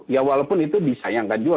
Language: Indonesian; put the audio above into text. ya walaupun itu disayangkan juga